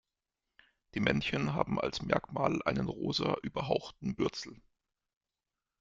Die Männchen haben als Merkmal einen rosa überhauchten Bürzel.